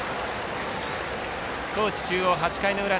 高知中央、８回の裏